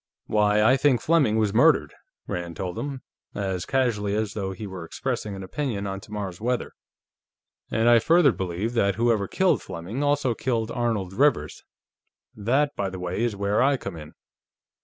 "Why, I think Fleming was murdered," Rand told him, as casually as though he were expressing an opinion on tomorrow's weather. "And I further believe that whoever killed Fleming also killed Arnold Rivers. That, by the way, is where I come in.